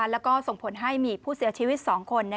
แล้วก็ส่งผลให้มีผู้เสียชีวิต๒คน